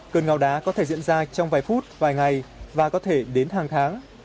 cơn ngáo đá có thể diễn ra trong vài phút vài ngày và có thể đến hàng tháng